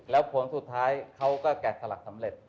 แล้วผลสุดท้ายเขาก็แกะสลักสำเร็จ